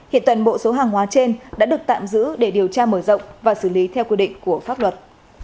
hiện toàn bộ số hàng hóa trên đã được tạm giữ để điều tra mở rộng và xử lý theo quy định của pháp luật